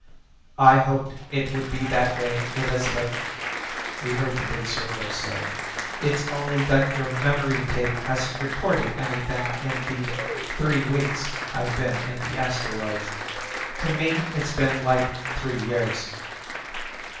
"I hoped it would be that way, Elizabeth," we heard the big servo say. "It's only that your memory tape hasn't recorded anything in the three weeks I've been in the asteroids. To me it's been like three years."